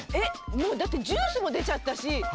もうだってジュースも出ちゃったし。